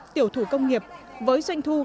tiểu thủ công nghiệp với doanh thu